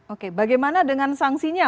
oke bagaimana dengan sanksinya